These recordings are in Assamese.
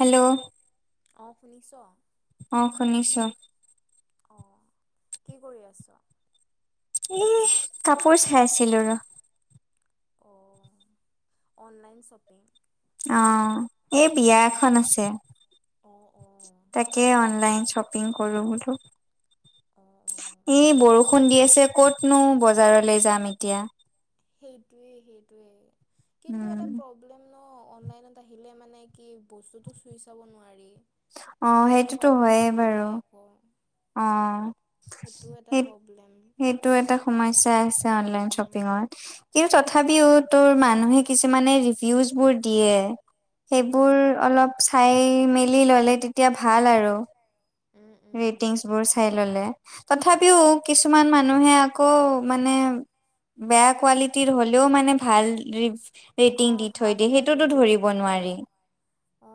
হেল্ল' অ শুনিছ? অ শুনিছো। অ কি কৰি আছ? এ কাপোৰ চাইছিলো ৰ অ অনলাইন শ্বপিং অ এই বিয়া এখন আছে। অঁ অঁ তাকে অনলাইন শ্বপিং কৰো বোলো। অঁ অঁ এ এনে বৰষুণ দি অনলাইন আছে কতনো বজাৰলৈ যাম এতিয়া। সেইটোৱে সেইটোৱে কিন্তু উম এটা প্ৰব- ব্লেম ন অনলাইনত আহিলে মানে কি বস্তু টো চুই চাব নোৱাৰি। অ সেইটোতো হয়ে বাৰু। বম অ সেট সেট প্ৰব্লেম সেইটো এটা সমস্যা আছে অনলাইন শ্বপিংৰ, উম কিন্তু ‌তথাপিও টোৰ মানুহে কিছুমানে ৰিভিউচবোৰ দিয়ে। উম সেইবোৰ উম অলপ চাই মেলি ললে তেতিয়া ভাল আৰু। উম উম ৰেটিংছ বোৰ চাই ল'লে। তথাপিও কিছুমান মানুহে আকৌ মানে বেয়া কোৱালিটিৰ হলেও মানে ভাল ৰেটিং অঁ দি ভাল থৈ দিয়ে এটা সেইটোতো ৰিভিউ দি ধৰিব নোৱাৰি। থয় অ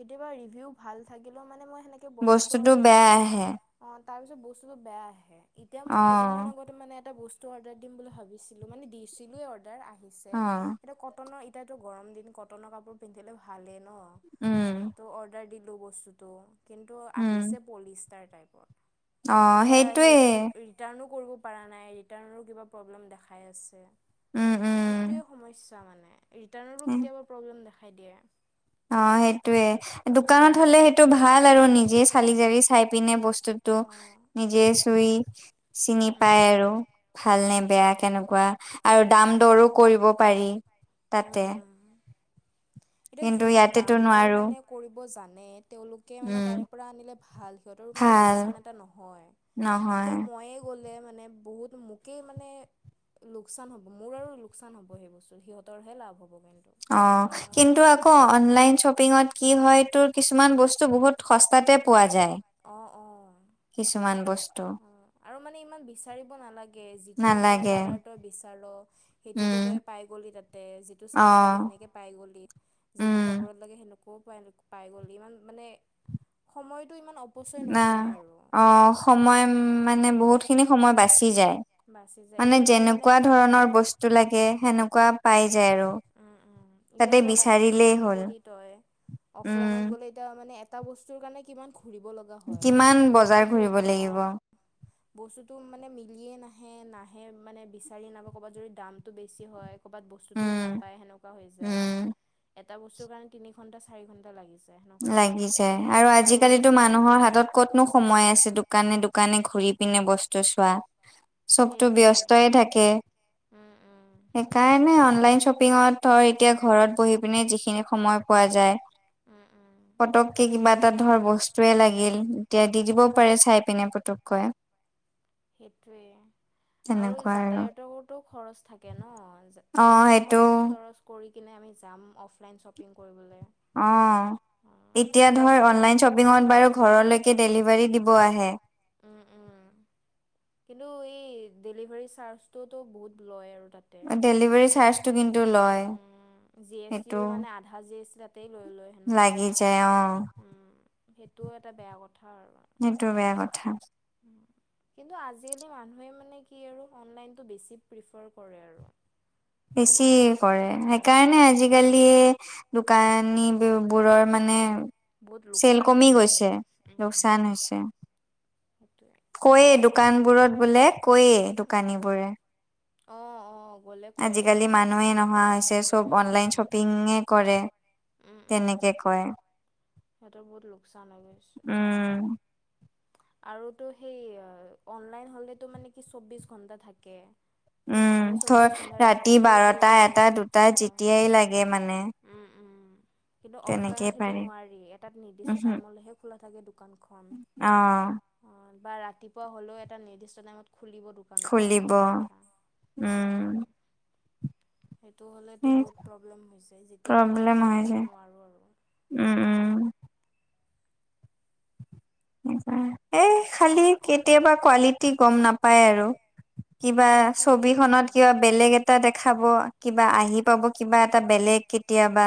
কেতিয়াবা ৰিভিউ ভাল থাকিলেও মানে মই সেনেকে বস্তু বস্তুটো অৰ্ডাৰ দিওঁ। বেয়া আহে অ তাৰ পিছত বস্তুত বেয়া আহে এতিয়া মই অ কেইদিনমান আগতে মানে এটা বস্তু অৰ্ডাৰ দিম বুলি ভাবি দিছিলো মানে দিছিলো এ অৰ্ডাৰ আহিছে অ এইটো কতনৰ এতিয়াতো গৰম দিন কটনৰ কাপোৰ পিন্ধিলে ভালেই ন। উম। তো অৰ্ডাৰ দিলোঁ বস্তুটো কিন্তু উম আহিছে পলিষ্টাৰ টাইপৰ। অ এতিয়া সেইটোৱে সেইটো ৰি- টাৰ্ণো কৰিব পৰা নাই ৰিটাৰ্ণৰো কিবা প্ৰব্লেম দেখাই আছে। উম সেইটোৱে সম- স্যা মানে ৰিটাৰ্ণৰো কেতিয়াবা প্ৰব্লেম দেখাই দিয়ে। আ সেইটোয়ে দোকানত হ'লে সেইটো ভাল আৰু নিজে চালি জাৰি চাই পিনে বস্তু টো নিজে চুই চিনি খাই পায় আৰু ভাল নে বেয়া কেনেকুৱা আৰু দাম দৰো কৰিব পাৰি তাতে। এতিয়া কিন্তু যোনে ইয়াতেতো দাম দৰ নোৱাৰো মানে কৰিব জানে তেওঁলোকে মানে উম তাৰে পৰা আনিলে ভাল। সিহঁতৰো মানে ভাল লোকচান এটা নহয়। নহয়। এতিয়া ময়ে গ'লে মানে বহুত মোকেই মানে লোকচান হ'ব মোৰ আৰু লোকচান হ'ব সেই বস্তু সিহঁতৰহে লাভ হ'ব কিন্তু। অ সেনেকুৱা কিন্তু কথা আক- অনলাইন শ্বপিঙত কি হয় তোৰ কিছুমান বস্তু বহুত সস্তাতে পোৱা যায়। অ অ। কিছুমান বস্তু উম আৰু মানে ইমান বিচাৰিব নালাগ- গে যিটো মানে নালাগে কালাৰ তই বিচাৰ সেইটোতে উম তই পাই গ'লি তাতে যিট- টো অ চাইজ লাগে সেনেকে পাই গলি যিটো উম কাপোৰত লাগে সেনেকু- কু পাইনেকু পাই গলি ইমান সময়টো ইমান অ- না অ সময় মানে বহুতখিনি সময় বাছি যায়। বাচি যায় মানে এতিয়া তই মানে যেনেকোৱা ধৰণৰ অঁ বস্তু লাগে সেনেকোৱা পাই যায় আৰু। উম উম এতিয়া তাতে তই বিচাৰিলেই অফলাইন হ'ল গ'লি তই উম অফলাইনত গ'লে ত মানে এটা বস্তুৰ কাৰণে কিমান ঘূৰিব লগা হয়। কিমান বজাৰ বস্তুটো ঘুৰিব অ লাগিব। বস্তুটো মানে মিলিয়েই নাহে নাহে মানে বিচাৰি নাপায় ক'ৰবাত যদি দামটো বেছি হয়। ক'ৰবাত বস্তুটোৱে উম নাপায় সেনেকোৱা হৈ যায়। উম এটা বস্তুৰ কাৰণে তিনি ঘণ্টা চাৰি ঘণ্টা লাগিছ- লাগি যায় আৰু আজিকালিতো মানুহৰ হাতত ক'তনো সময় আছে দোকানে দোকানে ঘূৰি পিনে বস্তু চোৱা। চবতো সেইটোৱে ব্যস্তই থাকে। উম উম সেইকাৰণে অনলাইন শ্বপিঙত ধৰ এতিয়া ঘৰত বহি পিনে যিখিনি সময় পোৱা যায়। উম উম পতককে কিবা এটা ধৰ বস্তুৱে লাগিল এতিয়া দি দিবও পাৰে চাই পিনে পতককৈ। সেইটোৱে আৰু যাতায়তৰোতো খৰচ থাকে ন অ ইমান সেইটো খৰচ তৰচ কৰি কিনে আমি যাম অফলাইন শ্বপিং কৰিবলৈ অ অ', এতিয়া ধৰ মানে অনলাইন অ শ্বপিঙত বাৰু ঘৰলৈকে ডেলিভাৰী দিব আহে উম উম কিন্তু এই ডেলিভাৰী চাৰ্জটোতো বহুত লয় আৰু তাত ডেলিভাৰী চাৰ্জটো কিন্তু লয় সেইটো আজি আছে তাতেই লৈ লয় সেনেকোৱা লাগি কথা যায় অ উম সেইটোও এটা বেয়া কথা আৰু সেইটো বেয়া কথা কিন্তু আজিকালি মানুহে মানে কি আৰু অনলাইনটো বেছি প্ৰিফাৰ কৰে আৰু, বেছি কৰে সেইকাৰণে আজিকালি দোকানী বোৰৰ মানে বহুত চেল লোকচান হৈ কমি গৈছে উম লোকচান হৈছে, সেইটোৱে কৈয়ে ইয়াতে দোকানবোৰত বোলে কৈয়ে দোকানী বোৰে অ অ গ'লে কয়ে ন আজিকালি মানুহে নোহোৱা হৈছে চব হৈছে অনলাইন শ্বপিঙে কৰে চব তেনে অনলাইন কে কয় সিহঁতৰ বহুত লোকচান হৈ গৈছে উম আৰুতো সেই অনলাইন হলেতো মানে কি চৌবিশ ঘন্টা থাকে উম আমি ধৰ চৌবিশ ঘন্টা ৰাতি ৰাতিও দিব বাৰটা পাৰো এটা দুটা যেতিয়াই লাগে মানে অহ উম উম কিন্তু তেনেকেই অফলাইনত সেইটো পাৰে নোৱাৰি এটা নিৰ্দিষ্ট উহু টাইমলৈহে খোলা থাকে দো দোকানখন অ অ বা ৰাতিপুৱা হ'লেও এটা নিৰ্দিষ্ট টাইমত খুলিব দো কানখন খুলিব সেনেকুৱা কথা উম সেইটো হ'লেতো সেই বহুত প্ৰব্লেম হৈ যায় যেতিয়াই তেতিয়া প্ৰব্লেম আমি ল'ব হৈ যাব যায় নোৱাৰোঁ আৰু, উম উম এ খালী কেতিয়াবা কোৱালিটি গম নাপায় আৰু কিবা সেইটোৱেই ছবিখনত অঁ। কিবা, বেলেগ এটা দেখাব কিবা আহি পাব কিবা এটা বেলেগ কেতিয়াবা,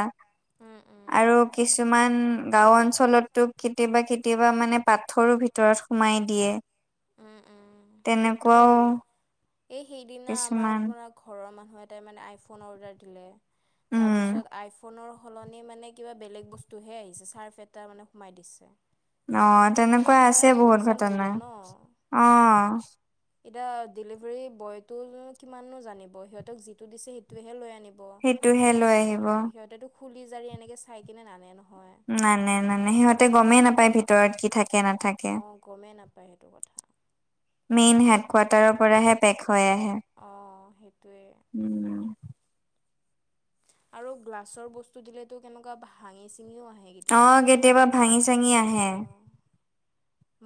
উম উম আৰু কিছুমান গাঁও অঞ্চলতো কেতিয়াবা কে কেতিয়াবা মানে পাথৰো ভিতৰত সোমাই দিয়ে উম উম সেইটোৱেই। তেনেকুৱাও এই সেইদিনা আমাৰ কিছুমান পৰা ঘৰৰ মানুহে এটাই মানে আইফোন অৰ্ডাৰ দিলে উম তাৰপিছত আইফোনৰ সলনি মানে কিবা বেলেগ বস্তুহে আহিছে চাৰ্ফ এটা মানে সোমাই দিছে। অ সেইটোতো তেনেকুৱা কিমান আছে এটা বহুত লোকচান হৈ ঘটনা গ'ল ন। অ এতিয়া ডেলিভাৰী বয়টো কিমাননো জানিব সিহঁতক যিটো দিছে সেইটোৱেহে লৈ আনি ব সেইটোহে লৈ অ আহিব সিহঁতেটো খুলি জাৰি এনেকে চাই কিনে নানে নহ। নানে নানে সিহঁতে গমেই নাপায় ভিতৰত কি থাকে, নাথাকে অ গমেই নাপায় সেইটো কথা মেইন হেড কোৱাৰ্টাৰৰ পৰাহে পেক হৈ আহে অঁ সেইটোৱে উম আৰু গ্লাছৰ বস্তু দিলেটো কেনেকুৱা ভাঙি চিঙিও আহে অ কেতিয়াবা ভাঙি চাঙি অ আহে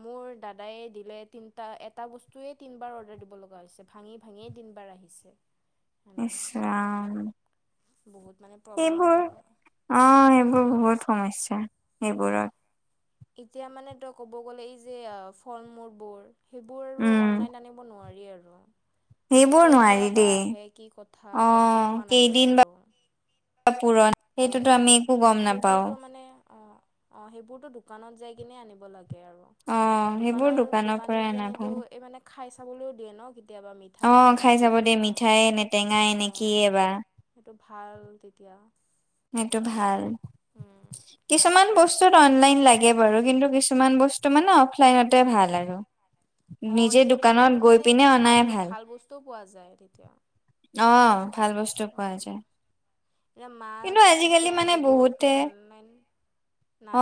মোৰ দাদাই দিলে তিনটা এটা বস্তুয়ে তিনবাৰ অৰ্ডাৰ দিব লগা হৈছে। ভাঙি ভাঙিয়েই তিনবাৰ আহিছে। ইছ সেনেকুৱা ৰাম। বহুত মানে, প্ৰব্লেম সেইবোৰ এইবোৰ অ সেইবোৰ বহুত সমস্যা সেইবোৰত। এতিয়া মানে তই ক'ব গলে এই যে ফল মূলবোৰ। সেইবোৰ আৰু উম অনলাইন আনিব নোৱাৰি আৰু সেইবোৰ ক'ৰ নোৱাৰি পৰা বা দেই আহে কি কথা অ গমটো পোৱা নাযায় কেইদিন বা আৰু। পুৰণ অ সেইটোতো আমি একো গম নাপাও সেইবোৰতো মানে অ অঁ সেইবোৰতো দোকানত যাই কিনে আনিব লাগে আৰু। অ সেইবোৰ দোকানৰ দোকানী পৰাই অনা জনিতো ভাল এই মানে খাই চাবলৈও দিয়ে ন কেতিয়াবা মি অ থানে টেঙা খাই কি চাব দেই কথা? মিঠাই নে টেঙাই নে অঁ কিয়ে বা সেইটো ভাল তেতিয়া। সেইটো ভাল, উম। কিছুমান বস্তুত অনলাইন লাগে বাৰু কিন্তু কিছুমান বস ত মানে অফলাইনতে ভাল আৰু। অঁ নিজে তেতিয়া দোকানত বস্তুটো গৈ মানে পিনে ভাল অনাই ভাল বস্তুও পোৱা যায় তেতিয়া। অ ভাল বস্তু পোৱা অ'। যায়। এতিয়া মাছ কিন্তু আজিকালি চিকেন মানে এইবোৰতো বহুতে অনলাইন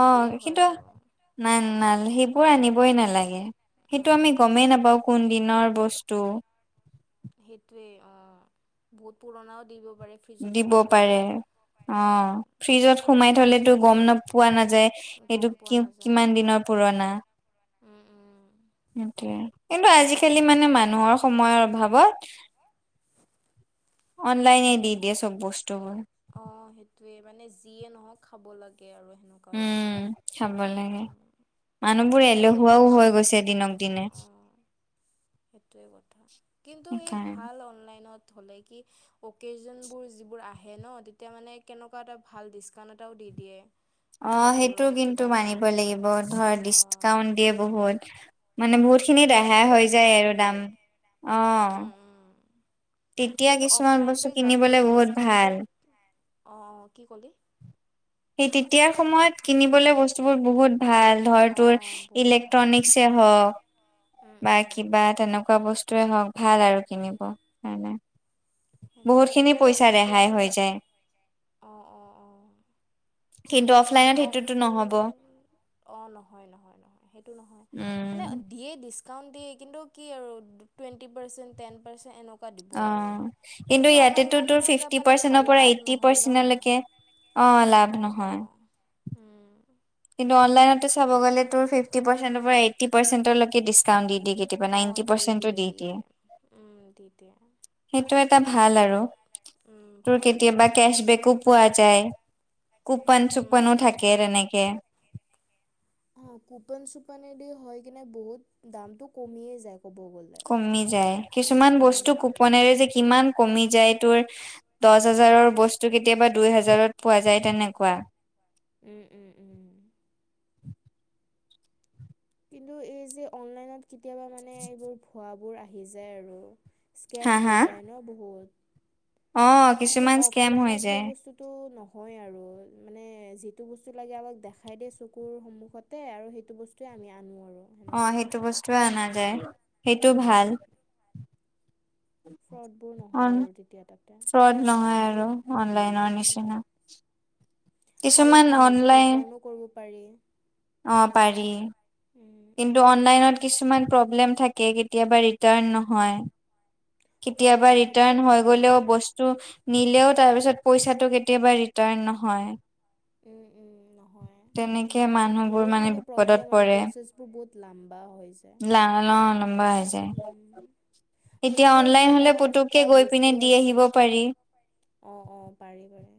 অঁ হয় কিন্তু আৰু নাই নাল সেইবোৰ আনিবই নালাগে। সেইটো উম, আমি উম। গমেই নাপাওঁ কোন দিনৰ বস্তু। সেইটোৱে অঁ, বহুত পুৰণাও দি দিব পাৰে। ফ্ৰিজত দিব সোমাই থৈ পাৰে দিয়ে। অ উম। ফ্ৰিজত সোমাই থলেতো গম ন পোৱা নাযায় এইটো গম পোৱা কি নাযায় কিমান দিনৰ পুৰণা? অ'। উম উম। সেইটোয়ে কিন্তু আজিকালি মানে মানুহৰ সময়ৰ অভাৱত অনলাইনে দি দিয়ে চব বস্তুবোৰ। অ সেইটোৱে মানে যিয়ে নহওক খাব লাগে আৰু সেনেকুৱা উম হৈছে। খাব লাগে উম, মানুহবোৰ বহুত এলহুৱা হৈ গৈছে সেইটো আহ। সেইটোৱে কথা কিন্তু এই সেইকাৰণে ভাল অনলাইনত হ'লে কি অকেজন‌‌বোৰ যিবোৰ আহে ন, তেতিয়া মানে কেনেকুৱা এ ভাল ডিচকাউন্ট এটা দি দিয়ে। অ, সেইটো কাপোৰৰ কিন্তু কিবা মানিব হওক লাগিব ধৰ অঁ ডিচকাউন্ট দিয়ে বহুত। মানে অঁ ফিফটি বহুতখিনি ৰেহাই পাৰ্চেণ্টলৈ হৈ যায় ডিছকাউণ্ট দি আৰু দাম দিয়ে অঁ। উম উম তেতিয়া কিন্তু কিছুমান বস্তু কিনিবলৈ বহুত ভাল। ভাল, অ কি কলি? সেই তেতিয়াৰ সময়ত কিনিবলৈ বস্তুবোৰ বহুত ভাল। ধৰ অঁ তোৰ অঁ বহুত ভাল ইলেক্ট্ৰনিকছে হওক উম বা উম। কিবা তেনেকুৱা বস টোৱে হওক ভাল আৰু কিনিব হয়নে? সেইটোৱে বহুতখিনি এতিয়াতো পইচা অফলাইন ৰেহাই যা হৈ যায়। অঁ অঁ অঁ। কিন্তু অফ মানে অফ অঁ নহয়, নহয়, নহয়, সেইটো নহয়। উম মানে দিয়ে ডিছকাউণ্ট দিয়ে কিন্তু কি আৰু two twenty percent, ten percent এনেক টকা দিব অ আৰু কিন্তু সেইটোতো আমাৰ ইয়াতেতো ইমানো তোৰ এটা ফিফটি মানে ভাল পাৰ্চেন্টৰ লাভ নহয় ন? অঁ লাভ অঁ নহয়। অঁ কিন্তু অনলাইনতো চাব গলে তোৰ ফিফটি পাৰ্চেণতৰ পৰা এইটি পাৰ্চেনটৰ লৈকে দিচকাউণ্ট দি দিয়ে কেতি অঁ দি দিয়ে দি দিয়ে উম দি দিয়ে। সেইটো এটা সেই ভাল আৰু উম তোৰ ভাল ভাল। কেতিয়াবা কেচবেকো পোৱা যায়। কুপন উম চুপনো উম। থাকে, তেনেকে। অ কুপন - চুপানদি হয় কিনে বহুত দামটো কমিয়ে যায় ক'ব বলে। কমি যায় কিছুমান বস্তু কুপনেৰে যে কিমান কমি যায় তোৰ দচ হাজাৰৰ বস্তু কেতিয়াবা দুই হাজাৰত পোৱা যায় তেনেকুৱা। উমঁ উম উ। কিন্তু এই যে অনলাইনত কেতিয়াবা মানে এইবোৰ ভুৱাবোৰ আহি যায় আৰু। স্কেম হা হৈ হা যায় ন বহুত। অ কিন্তু কিছুমান স্কেম হৈ অফলাইনত সেই যায় বস্তু টো নহয় আৰু মানে যিটো বস্তু লাগে, আমাক দেখাই দিয়ে চকুৰ সন্মুখত তে আৰু সেইটো বস্তুৱে আমি আনো আৰু। অঁ সেনেকুৱা। সেইটো বস্তুৱে অনা যায় সেইটো ভাল। উম। ফ্ৰডবোৰ অ নহয় আৰু তেতিয়া তাতে ফ্ৰড নহয় আৰু অনলাইনৰ উম। নিচিনা আৰু কিছুমান সহজে অনলাইন ৰিটাৰ্ণো কৰিব পাৰি। অ পাৰি উম কিন্তু অনলাইনত কিছুমান প্ৰব্লেম থাকে কেতিয়াবা ৰিটাৰ্ণ নহয়। কেতিয়াবা অঁ সেইটোতো ৰিটাৰ্ণ হৈ নহয়েই গলেও ব স্তু নিলেও তাৰ পিছত পইচাটো কেতিয়াবা ৰিটাৰ্ণ নহয়। উম উম ন হয্যগ্ট তেনেকে হেনকা মানুহবোৰ বহুত মানে বিপদত প্ৰব্লেম আৰু প্ৰচেচ বোৰ বহুত লম্বা হৈ লা ল লম্বাইছ। উম মোৰে অনলাইন হলে কেইটামান পুতুককে এনেকোৱা গৈ পিনে বস্তু দি আছে। আহিব পাৰি। অ অ পাৰি পাৰে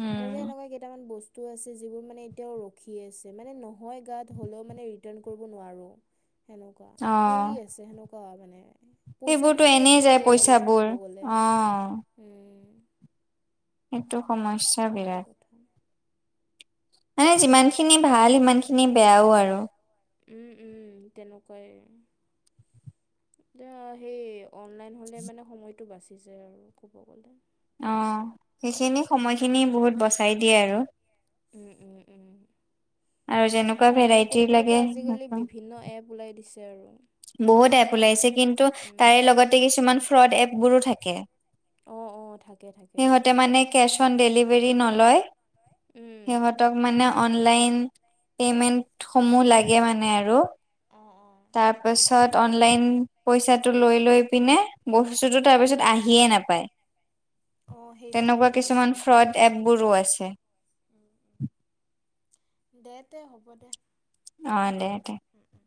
উম, মোৰে এনেকোৱা কেইটামান ব স্তু আছে যিবোৰ মানে এতিয়াও ৰখি আছে মানে নহয় গাত হলেও মানে ৰিটাৰ্ণ কৰিব নোৱাৰো। সেনেকোৱা অ', পৰি আছে সেনেকোৱা মানে। সেইবোৰতো পইচাটোতো এনেই যায় গ'ল আৰু পইচাবোৰ ক'ব গ'লে অ', উম। এইটো সমস্যা সেইটো বিৰাট। কথা মানে যিমান খিনি ভাল সিমান খিনি বেয়াও আৰু উম উম তেনেকোৱাই। ত সেই অনলাইন হ'লে মানে সময়তো বাচি যায় আৰু ক'ব গ'লে। অ সেইখিনি উম সময়খিনি বহুত বচাই দিয়ে আৰু উম উম উম, আৰু যেনেকুৱা অনলাইন ভেৰাইটি লাগে কৰিবলেতো আজিকালি সেনেকুৱা বিভিন্ন এপ ওলাই দিছে আৰু। বহুত এপ ওলাইছে কিন্তু উম। তাৰে লগতে কিছুমান ফ্ৰড এপ বোৰো থাকে। অ অ থাকে থাকে। সিহঁতে মানে কেচ অন ডেলিভাৰী নলয়। উম! সিহঁতক মানে অনলাইন পেমেণ্টসমূহ লাগে মানে আৰু। অ অ তাৰপাছত অনলাইন পইচাটো লৈ লৈ পিনে বস্তুটো তাৰপিছত আহিয়ে নাপায়। অ সেইটোৱে সেইটোৱে। এপবোৰ উৰাইছে। উম! দে তে হ'ব দে। অ দে দে। উম উম!